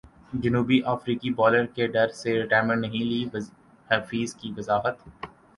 جنوبی افریقی بالرز کے ڈر سے ریٹائرمنٹ نہیں لی حفیظ کی وضاحت